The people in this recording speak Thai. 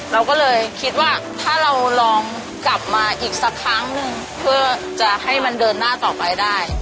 เราก็เลยคิดว่าถ้าเราลองกลับมาอีกสักครั้งหนึ่งเพื่อจะให้มันเดินหน้าต่อไปได้